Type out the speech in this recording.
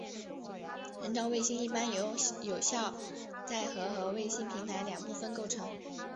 人造卫星一般由有效载荷和卫星平台两部分构成。